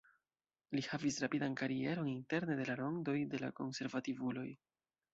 Li havis rapidan karieron interne de la rondoj de la konservativuloj.